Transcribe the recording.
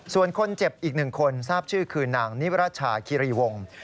ส่วนคนเจ็บอีก๑คนทราบชื่อคือนางนิวราชาคิรีวงศ์